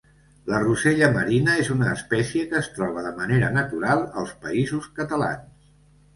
La rosella marina és una espècie que es troba de manera natural als Països Catalans.